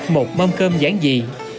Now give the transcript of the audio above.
một mâm cơm giảng dị